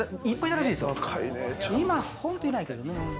今は本当いないけどね。